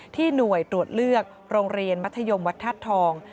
หน่วยตรวจเลือกโรงเรียนมัธยมวัดธาตุทอง